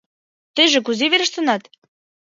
Тыйже кузе верештынат?